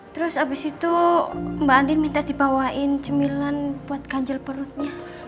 terus abis itu mbak andin minta dibawain cemilan buat ganjil perutnya